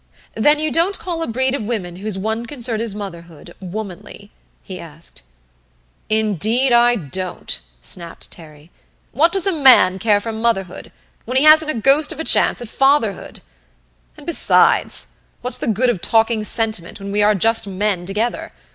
"Then you don't call a breed of women whose one concern is motherhood womanly?" he asked. "Indeed I don't," snapped Terry. "What does a man care for motherhood when he hasn't a ghost of a chance at fatherhood? And besides what's the good of talking sentiment when we are just men together?